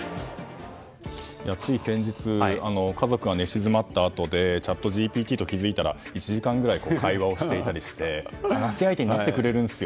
つい先日、家族が寝静まったあとでチャットＧＰＴと気づいたら１時間くらい会話をしていたりとかして話し相手になってくれるんですよ。